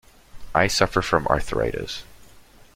I suffer from arthritis.